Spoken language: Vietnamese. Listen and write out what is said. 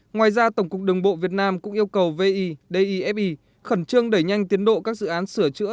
ngoài ra tổng cục đồng bộ việt nam cũng yêu cầu v i d i f i khẩn trương đẩy nhanh tiến độ các dự án sửa chữa